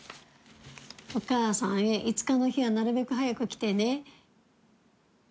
「お母さんへ５日の日はなるべくはやく来てネ」